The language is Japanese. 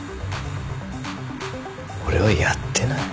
俺はやってない。